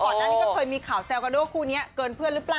ก่อนหน้านี้ก็เคยมีข่าวแซวกันด้วยว่าคู่นี้เกินเพื่อนหรือเปล่า